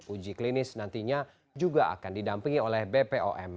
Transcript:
uji klinis nantinya juga akan didampingi oleh bpom